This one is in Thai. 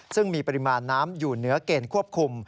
ซึ่งมีปริมาณน้ำอยู่เหนือเกณฑ์ควบคุม